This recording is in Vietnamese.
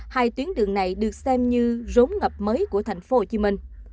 hai tuyến đường này được xem như rốn ngập mới của thành phố hồ chí minh